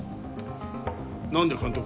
何で監督